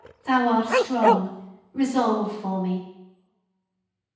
Thou art strong. Resolve for me!"